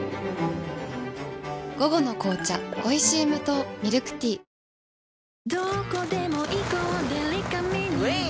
午後の紅茶おいしい無糖ミルクティー早起き朝活